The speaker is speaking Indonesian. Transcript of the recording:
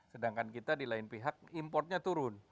sedangkan kita di lain pihak importnya turun